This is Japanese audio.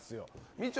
みちょ